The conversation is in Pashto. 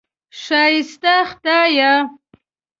ښایسته خدایه!